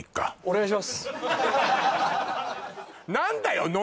何だよ